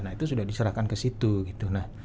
nah itu sudah diserahkan ke situ